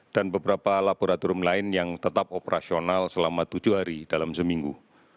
dan beberapa laboratorium lain yang tetap operasional selama tujuh hari dalam seminggu